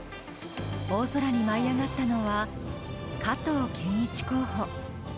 大空に舞い上がったのは、加藤健一候補。